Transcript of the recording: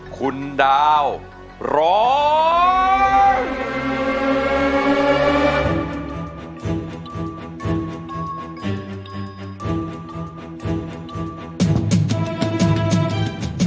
คุณดาวร้อง